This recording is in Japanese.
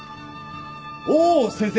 おお先生。